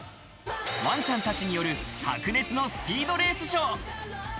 ワンちゃんたちによる白熱のスピードレースショー。